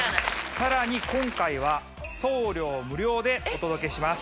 さらに今回は送料無料でお届けします。